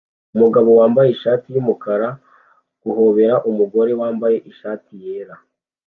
Umugabo wambaye ishati yumukara guhobera umugore wambaye ishati yera